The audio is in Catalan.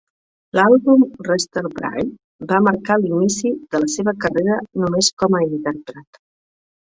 L'àlbum "Rester vrai" va marcar l'inici de la seva carrera només com a intèrpret.